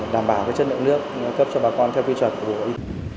đảm bảo chất lượng nước cấp cho bà con theo quy truật của hội